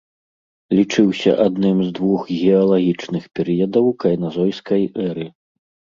Лічыўся адным з двух геалагічных перыядаў кайназойскай эры.